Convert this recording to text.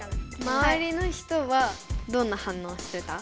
まわりの人はどんな反応してた？